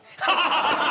ハハハハ！